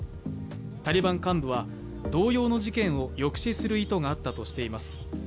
タリバン幹部は、同様の事件を抑止する意図があったとしています。